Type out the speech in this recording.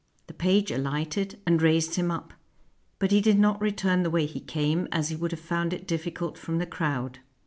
The page alighted, and raised him up; but he did not return the way he came, as he would have found it difficult from the crowd.